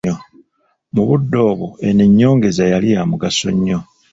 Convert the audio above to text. Mu budde obwo eno ennyongeza yali ya mugaso nnyo.